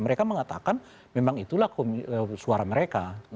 mereka mengatakan memang itulah suara mereka